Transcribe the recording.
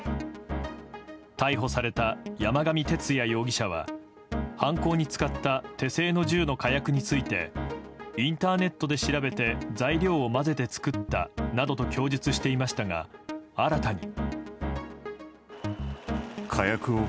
逮捕された山上徹也容疑者は犯行に使った手製の銃の火薬についてインターネットで調べて材料を混ぜて作ったなどと供述していましたが新たに。